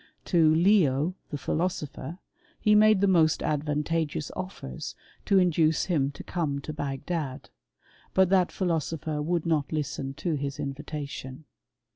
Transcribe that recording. To Leo, the philosopher, he made "^e most advantageous offers, to induce him to come to Bagdad ; but that philosopher would not listen to ^ invitation.